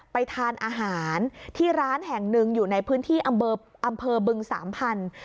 ทานอาหารที่ร้านแห่งหนึ่งอยู่ในพื้นที่อำเภอบึงสามพันธุ์